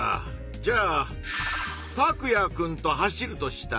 じゃあタクヤくんと走るとしたら？